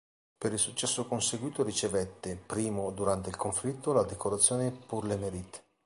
Per il successo conseguito ricevette, primo durante il conflitto, la decorazione "Pour le Mérite".